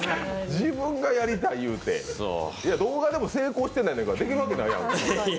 自分がやりたい言うて、動画でも成功してないんだから、できるわけないやん。